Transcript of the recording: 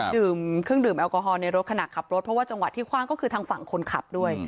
ดื่มเครื่องดื่มแอลกอฮอลในรถขณะขับรถเพราะว่าจังหวะที่คว่างก็คือทางฝั่งคนขับด้วย